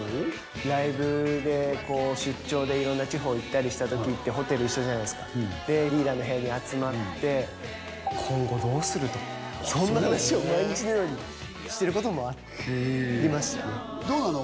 ライブでこう出張で色んな地方行ったりした時ってホテル一緒じゃないですかとそんな話を毎日のようにしてることもありましたどうなの？